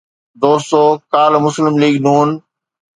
دوستو ڪالهه مسلم ليگ ن